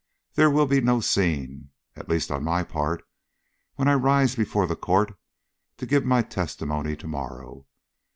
There will be no scene at least on my part when I rise before the court to give my testimony to morrow.